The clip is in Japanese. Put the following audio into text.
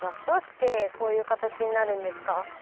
どうしてこういう形になるんですか？